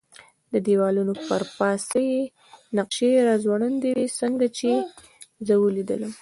د دېوالونو پر پاسه یې نقشې را ځوړندې وې، څنګه چې یې زه ولیدلم.